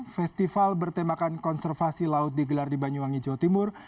festival bertemakan konservasi laut digelar di banyuwangi jawa timur